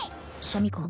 シャミ子